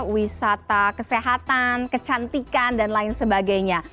wisata kesehatan kecantikan dan lain sebagainya